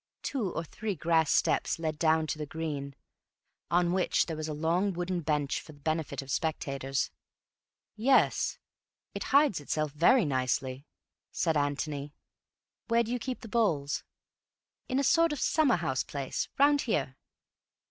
Two or three grass steps led down to the green, on which there was a long wooden bench for the benefit of spectators. "Yes, it hides itself very nicely," said Antony. "Where do you keep the bowls?" "In a sort of summer house place. Round here."